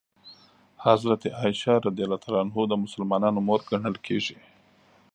حضرت عایشه رض د مسلمانانو مور ګڼل کېږي.